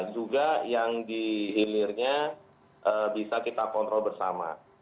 juga yang di hilirnya bisa kita kontrol bersama